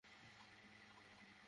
রাজি হলো না।